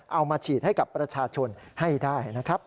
เอามาฉีดให้กับประชาชนให้ได้นะครับ